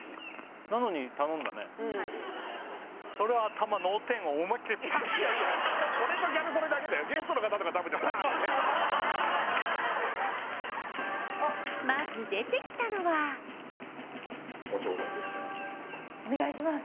「パーン！」ってまず出てきたのはお願いします